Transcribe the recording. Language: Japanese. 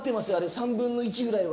３分の１ぐらいは。